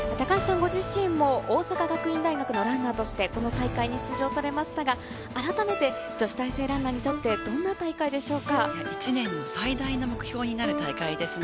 ご自身も大阪学院大学のランナーとして、この大会に出場されましたが、改めて女子大生ランナーにとって１年の最大の目標になる大会ですね。